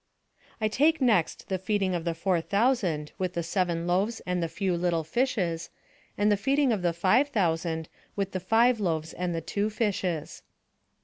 I take next the feeding of the four thousand with the seven loaves and the few little fishes, and the feeding of the five thousand with the five loaves and the two fishes.